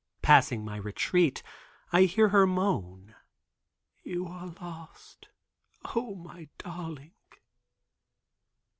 Passing my retreat I hear her moan: "You are lost, O my darling."